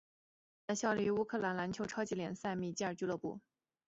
他现在效力于乌克兰篮球超级联赛基米克篮球俱乐部。